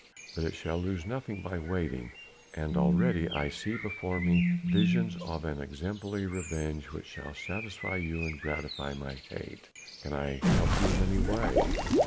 But it shall lose nothing by waiting, and already I see before me visions of an exemplary revenge which shall satisfy you and gratify my hate." "Can I help you in any way?"